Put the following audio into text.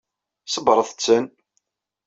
Ṣebbret-ten.